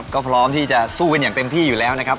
ก็พร้อมที่จะสู้กันอย่างเต็มที่อยู่แล้วนะครับ